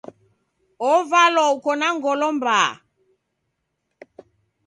Ovalwa uko na ngolo mbaa.